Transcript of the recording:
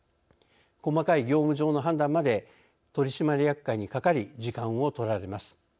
細かい業務上の判断まで取締役会にかかり時間を取られます。